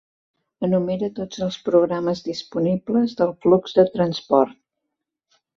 Enumera tots els programes disponibles del flux de transport.